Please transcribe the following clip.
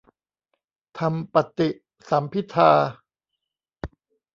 ธรรมปฏิสัมภิทา